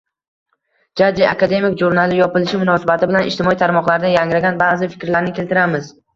«Jajji akademik» jurnali yopilishi munosabati bilan ijtimoiy tarmoqlarda yangragan ba’zi fikrlarni keltiramiz: